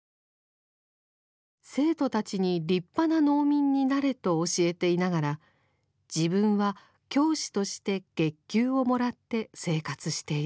生徒たちに立派な農民になれと教えていながら自分は教師として月給をもらって生活している。